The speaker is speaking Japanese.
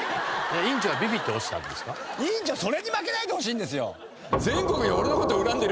委員長それに負けないでほしいんですよ！